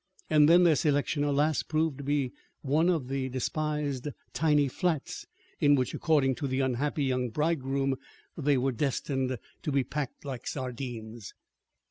And then their selection, alas, proved to be one of the despised tiny flats, in which, according to the unhappy young bridegroom, they were destined to be packed like sardines.